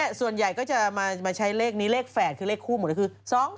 ส่วนใหญ่ก็จะมาใช้เลขนี้เลข๘คือเลขคู่หมดเลยคือ